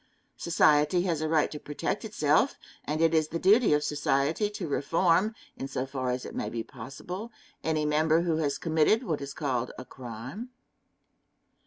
Society has a right to protect itself, and it is the duty of society to reform, in so far as it may be possible, any member who has committed what is called a crime.